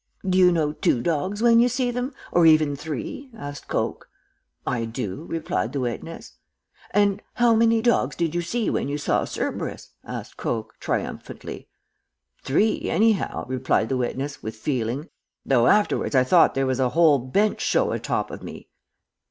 "'Do you know two dogs when you see them, or even three?' asked Coke. "'I do,' replied the witness. "'And how many dogs did you see when you saw Cerberus?' asked Coke, triumphantly. "'Three, anyhow,' replied the witness, with feeling, 'though afterwards I thought there was a whole bench show atop of me.'